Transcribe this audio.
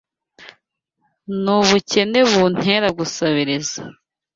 Nubukene buntera gusabiriza